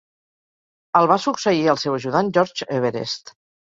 El va succeir el seu ajudant George Everest.